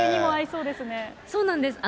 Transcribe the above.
そうなんです。